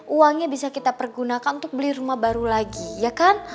uangnya bisa kita pergunakan untuk beli rumah baru lagi ya kan